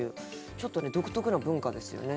ちょっとね独特な文化ですよね。